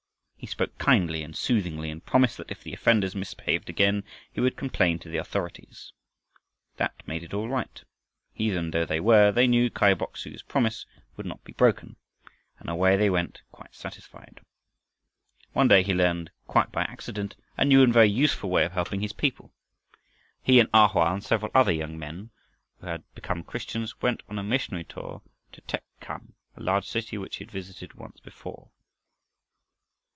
He spoke kindly, and soothingly, and promised that if the offenders misbehaved again he would complain to the authorities. That made it all right. Heathen though they were, they knew Kai Bok su's promise would not be broken, and away they went quite satisfied. One day he learned, quite by accident, a new and very useful way of helping his people. He and A Hoa and several other young men who had become Christians, went on a missionary tour to Tek chham, a large city which he had visited once before.